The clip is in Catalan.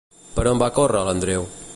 Per on va córrer l'Andreu?